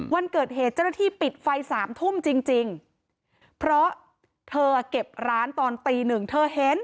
วันเกิดเหตุเจ้าหน้าที่ปิดไฟสามทุ่มจริงจริงเพราะเธอเก็บร้านตอนตีหนึ่งเธอเห็น